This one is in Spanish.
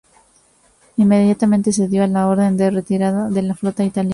Inmediatamente se dio la orden de retirada de la flota italiana.